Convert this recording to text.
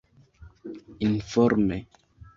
informe